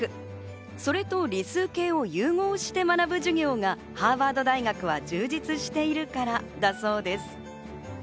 それと理数系を融合して学ぶ授業がハーバード大学は充実しているからだそうです。